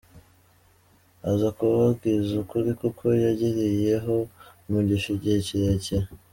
Azakubwize ukuri kuko yangiriye ho umugisha igihe kirekire.